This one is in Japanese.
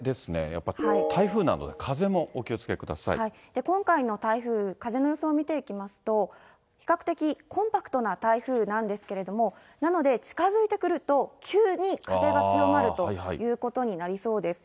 やっぱり台風なので、今回の台風、風の予想を見ていきますと、比較的コンパクトな台風なんですけれども、なので近づいてくると、急に風が強まるということになりそうです。